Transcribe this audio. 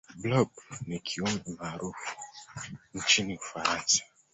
blob ni kiumbe maarufu nchini ufaransa